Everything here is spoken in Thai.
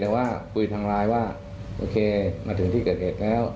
คือจะคุยทางรายว่าโอเคมาถึงที่เกิดเหตุแล้ว